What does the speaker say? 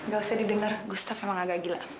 gak usah didengar gustaf emang agak gila